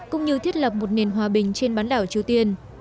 cũng như thiết lập một nền hòa bình trên bán đảo triều tiên